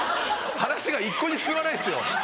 話が一向に進まないですよ。